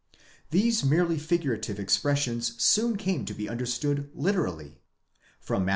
These merely figurative expressions soon came to be understood literally (Matt.